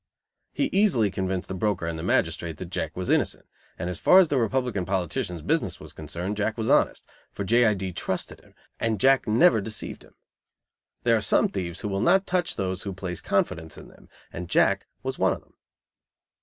He easily convinced the broker and the magistrate that Jack was innocent; and as far as the Republican politician's business was concerned, Jack was honest, for J. I. D. trusted him, and Jack never deceived him. There are some thieves who will not "touch" those who place confidence in them, and Jack was one of them.